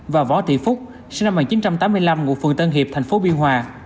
và võ thị phúc sinh năm một nghìn chín trăm tám mươi năm ngụ phường tân hiệp thành phố biên hòa